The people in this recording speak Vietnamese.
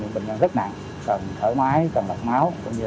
cũng như hệ thống oxy lỏng cho bệnh viện